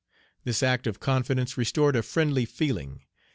This act of confidence restored a friendly feeling.